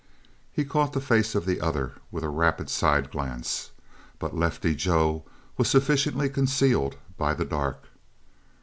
He caught the face of the other with a rapid side glance, but Lefty Joe was sufficiently concealed by the dark.